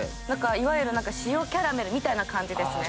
いわゆる塩キャラメルみたいな感じですね。